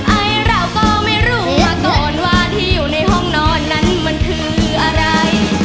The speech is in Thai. ไอ้เราก็ไม่รู้ว่าก่อนว่าที่อยู่ในห้องนอนนั้นมันคืออะไร